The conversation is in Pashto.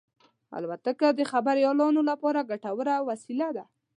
الوتکه د خبریالانو لپاره ګټوره وسیله ده.